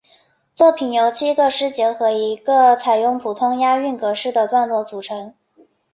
作品由七个诗节和一个采用普通押韵格式的段落组成。